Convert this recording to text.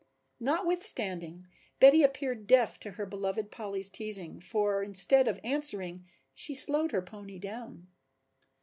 Notwithstanding Betty appeared deaf to her beloved Polly's teasing, for instead of answering she slowed her pony down.